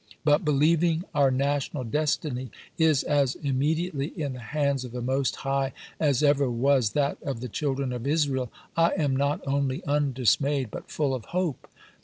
But, believing our national destiny is as immediately in the hands of the Most High as ever was that of the Childi"en of Israel, I am not only undismayed, but full of hope.